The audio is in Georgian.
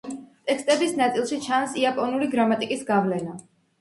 ტექსტების ნაწილში ჩანს იაპონური გრამატიკის გავლენა.